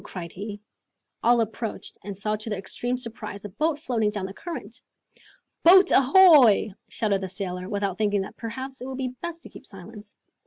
cried he. All approached, and saw to their extreme surprise, a boat floating down the current. "Boat ahoy!" shouted the sailor, without thinking that perhaps it would be best to keep silence.